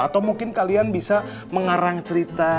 atau mungkin kalian bisa mengarang cerita